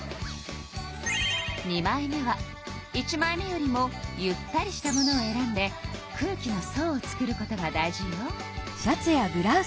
２枚目は１枚目よりもゆったりしたものを選んで空気の層をつくることが大事よ。